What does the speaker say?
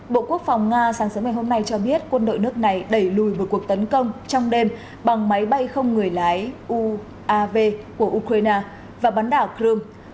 bộ quốc phòng nga sáng sớm ngày hôm nay cho biết quân đội nước này đẩy lùi một cuộc tấn công trong đêm bằng máy bay không người lái uav của ukraine và bắn đảo crimea